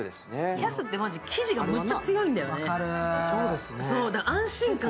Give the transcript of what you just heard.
Ｃａｔｈって生地がむっちゃ強いんだよね。